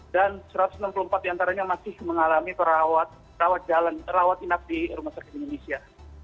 dan enam puluh empat diantaranya masih mengalami perawat inap di rumah sakit indonesia